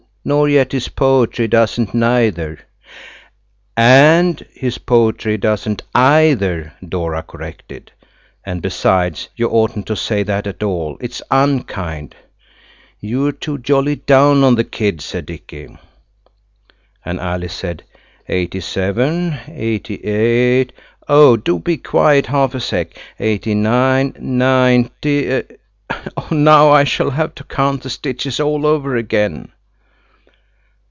"nor yet his poetry doesn't neither." "And his poetry doesn't either," Dora corrected; "and besides, you oughtn't to say that at all, it's unkind–" "You're too jolly down on the kid," said Dicky. And Alice said, "Eighty seven, eighty eight–oh, do be quiet half a sec.!–eighty nine, ninety–now I shall have to count the stitches all over again!"